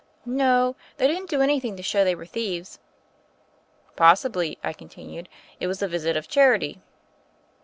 "No: they didn't do anything to show they were thieves." "Possibly," I continued, "it was a visit of charity."